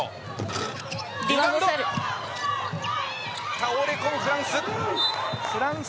倒れ込むフランス。